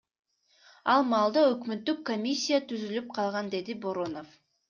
Ал маалда өкмөттүк комиссия түзүлүп калган, — деди Боронов.